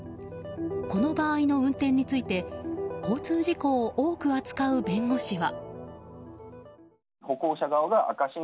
この場合の運転について交通事故を多く扱う弁護士は。